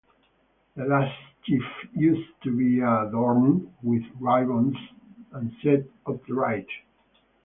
The last sheaf used to be adorned with ribbons and set upright.